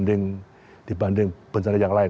dibanding bencana yang lain